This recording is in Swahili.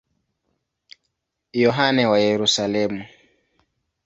Yohane wa Yerusalemu.